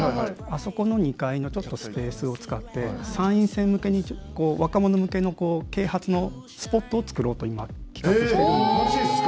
あそこの２階のちょっとスペースを使って参院選向けに若者向けの啓発のスポットを作ろうと今企画してるんですよ。